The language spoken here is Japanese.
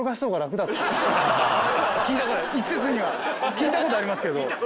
聞いたことありますけど。